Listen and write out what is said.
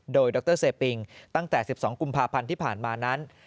โดยดรเซปิงตั้งแต่๑๒กุมภาพันธ์ที่ผ่านมานั้น